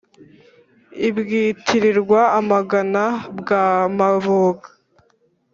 ibwitirirwa-magana bwa mabuga,